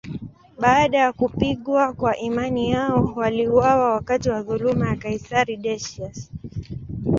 Baada ya kupigwa kwa imani yao, waliuawa wakati wa dhuluma ya kaisari Decius.